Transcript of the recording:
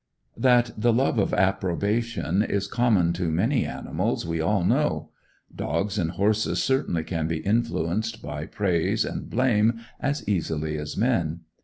That the love of approbation is common to many animals we all know. Dogs and horses certainly can be influenced by praise and blame, as easily as men.